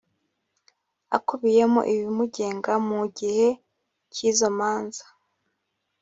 akubiyemo ibimugenga mu gihe cy’izo manza